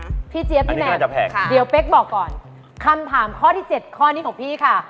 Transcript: อันนี้ก็น่าจะแพงเดี๋ยวเป๊กบอกก่อนคำถามข้อที่๗ข้อนี้ของพี่ค่ะ